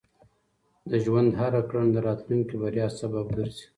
د ژوند هره کړنه د راتلونکي بریا سبب ګرځي.